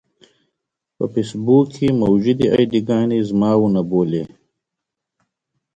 په فېسبوک کې موجودې اې ډي ګانې زما ونه بولي.